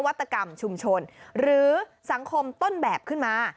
วัตกรรมชุมชนหรือสังคมต้นแบบขึ้นมา